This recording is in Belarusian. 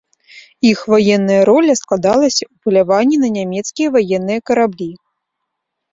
Іх ваенная роля складалася ў паляванні на нямецкія ваенныя караблі.